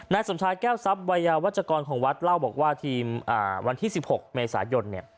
นายสมชายแก้วซัพวัยวัตชกรของวัดเล่าบอกว่าวันที่๑๖เมษายน